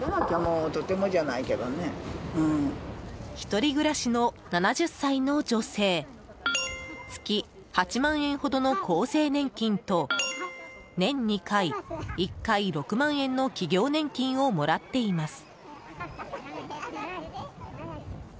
１人暮らしの７０歳の女性月８万円ほどの厚生年金と年２回、１回６万円の企業年金をもらっています。